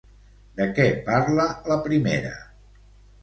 De què parla la primera?